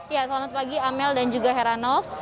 ya selamat pagi amel dan juga heranov